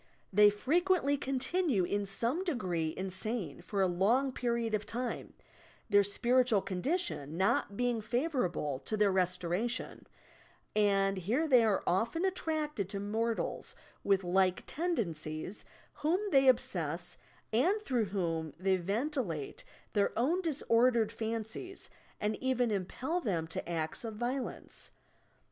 They frequently continue in some degree insane for a long period of time, their spiritual condition not being favourable to thoir restoratdon, and here they are often attracted to mortals with like tendencies whom they obsess and through whom they ventilate their own dis ordered fancies and even impel them to acts of vio lenee.